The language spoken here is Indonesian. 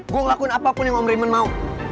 gue ngelakuin apapun yang om reman mau